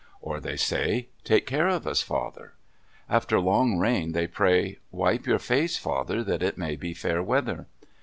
Or they say, "Take care of us, Father." After long rain, they pray, "Wipe your face, Father, that it may be fair weather."